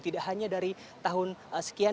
tidak hanya dari tahun sekian